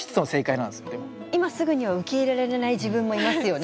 今すぐには受け入れられない自分もいますよね。